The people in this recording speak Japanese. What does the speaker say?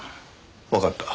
わかった。